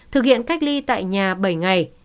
thực hiện cách ly tại nhà bảy ngày